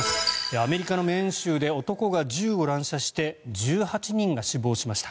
アメリカのメーン州で男が銃を乱射して１８人が死亡しました。